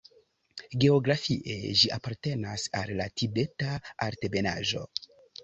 Geografie ĝi apartenas al la Tibeta altebenaĵo.